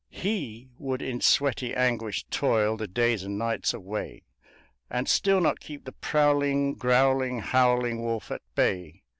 HE would in sweaty anguish toil the days and nights away, And still not keep the prowling, growling, howling wolf at bay!